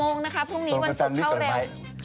โรคระทันสอนซับ